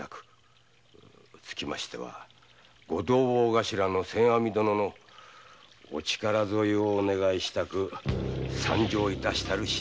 つきましては御同朋頭の千阿弥殿のお力添えを願いしたく参上致したる次第。